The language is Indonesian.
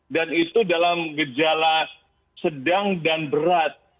dan itu dalam gejala sedang dan berat